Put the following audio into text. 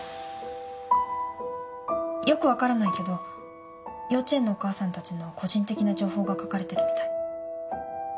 よく分からないけど幼稚園のお母さんたちの個人的な情報が書かれてるみたい。